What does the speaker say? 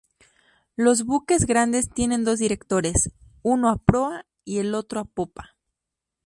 Los buques grandes tienen dos directores, uno a proa y el otro a popa.